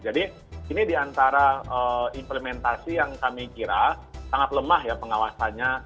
jadi ini di antara implementasi yang kami kira sangat lemah ya pengawasannya